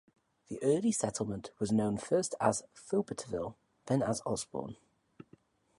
The early settlement was known first as Foubertville, then as Osborne.